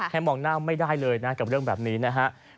มองหน้าไม่ได้เลยนะกับเรื่องแบบนี้นะครับ